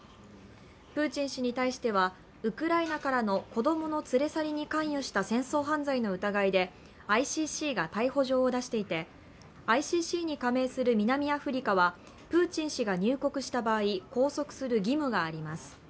プーチン氏に対してはウクライナからの子供の連れ去りに関与した戦争犯罪の疑いでＩＣＣが逮捕状を出していてＩＣＣに加盟する南アフリカはプーチン氏が入国した場合拘束する義務があります。